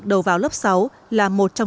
của các trường